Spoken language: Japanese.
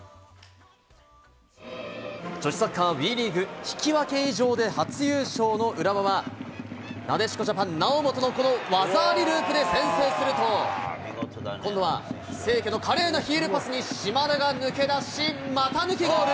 女子サッカーＷＥリーグ、引き分け以上で初優勝の浦和は、なでしこジャパン、猶本のこの技ありループで先制すると、今度は清家の華麗なヒールパスに、島田が抜け出し、股抜きゴール。